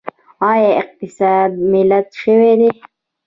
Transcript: آیا اقتصاد ملي شوی دی؟